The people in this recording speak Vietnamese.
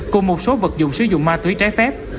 cùng một số vật dụng sử dụng ma túy trái phép